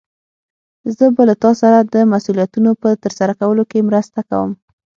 زه به له تا سره د مسؤليتونو په ترسره کولو کې مرسته کوم.